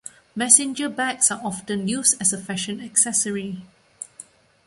Messenger bags are often used as a fashion accessory.